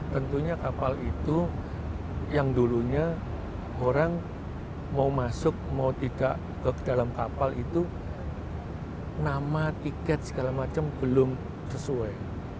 tentunya kapal itu yang dulunya orang mau masuk mau tidak ke dalam kapal itu nama tiket segala macam belum sesuai